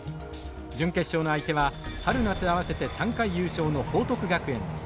準決勝の相手は春夏合わせて３回優勝の報徳学園です。